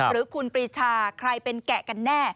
หรือคุณปีชาใครเป็นแกะกันแน่